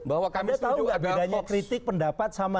anda tahu tidak bedanya kritik pendapat